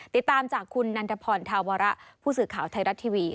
ติดตามจากคุณนันทพรธาวระผู้สื่อข่าวไทยรัฐทีวี